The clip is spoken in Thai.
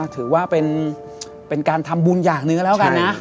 ถือว่าเป็นการทำบุญอย่างหนึ่งก็แล้วกันนะ